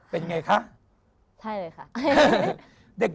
เป็นไงคะใช่เลยค่ะ